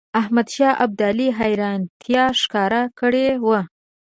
احمدشاه ابدالي حیرانیتا ښکاره کړې وه.